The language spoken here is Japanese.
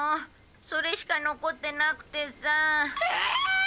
それしか残ってなくてさ」ええ！？